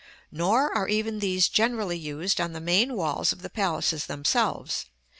Nor are even these generally used on the main walls of the palaces themselves.